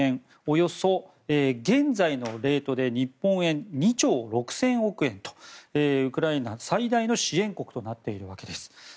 およそ、現在のレートで日本円で２兆６０００億円とウクライナ最大の支援国となっているわけです。